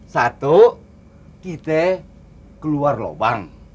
satu kita keluar lubang